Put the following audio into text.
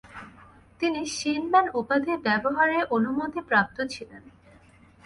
তিনি শীনম্যান উপাধি ব্যবহারে অনুমতিপ্রাপ্ত ছিলেন।